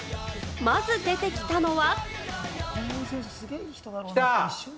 まず出てきたのは。